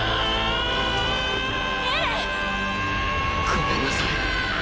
ごめんなさい